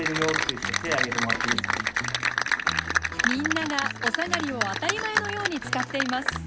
みんながおさがりを当たり前のように使っています。